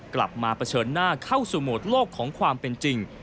มาเผชิญหน้าเข้าสู่โหมดโลกของความเป็นจริง